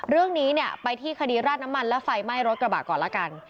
เรื่องนี้เนี่ยไปที่คดีราดน้ำมันและไฟไหม้รถกระบะก่อนละกัน